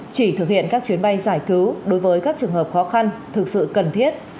chỉ thực hiện các chuyến bay giải cứu đối với các trường hợp khó khăn thực sự cần thiết